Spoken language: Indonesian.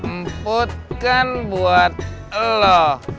input kan buat elo